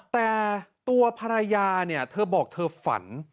แต่ตัวภรรยาเนี่ยเธอบอกเธอฝัน